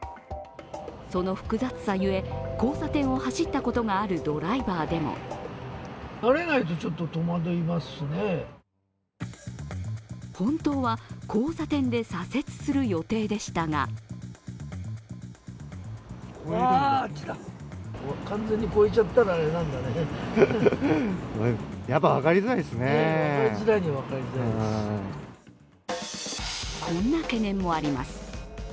その複雑さゆえ交差点を走ったことがあるドライバーでも本当は交差点で左折する予定でしたがこんな懸念もあります。